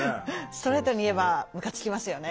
ストレートに言えばムカつきますよね。